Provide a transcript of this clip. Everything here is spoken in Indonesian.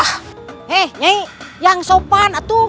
hei nyai yang sopan atu